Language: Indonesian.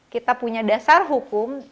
kita punya dasar hukum